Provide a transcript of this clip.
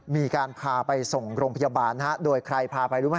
มีการพาไปส่งโรงพยาบาลโดยใครพาไปรู้ไหม